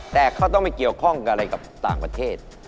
แต่เขาต้องไม่เกี่ยวข้องอะไรกับต่างประเทศ